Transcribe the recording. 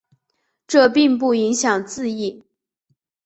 这并不影响字义。